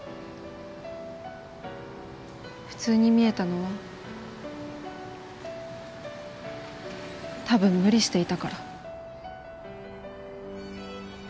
普通に見えたのは多分無理していたから。